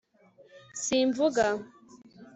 simvuga